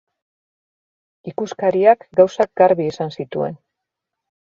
Ikuskariak gauzak garbi esan zituen.